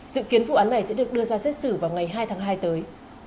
dự kiến vụ án này sẽ được đưa ra xét xử vào ngày hai tháng hai tới